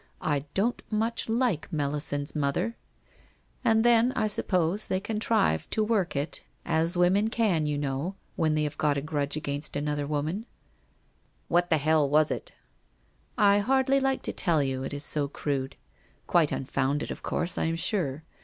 I don't much like Mel isande's mother ! And then, I suppose they contrived to work it, as women 382 WHITE ROSE OF WEARY LEAF can, you know, when they have got a grudge against an other woman/ 'What the hell was it?' c I hardly like to tell you, it is so crude. Quite un founded, of course, I am sure.